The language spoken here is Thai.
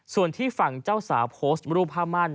ส่วนที่ฝั่งเจ้าสาวโพสต์รูปผ้ามั่น